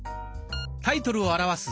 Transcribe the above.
タイトルを表す